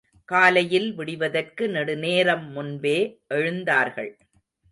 காலையில் விடிவதற்கு நெடுநேரம் முன்பே எழுந்தார்கள்.